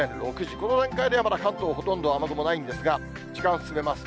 この段階ではまだ関東ほとんど雨雲ないんですが、時間進めます。